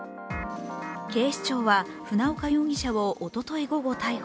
警視庁は、船岡容疑者をおととい午後逮捕。